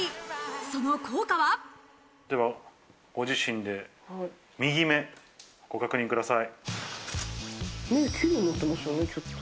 その効果は？ではご自身で右目、ご確認ください。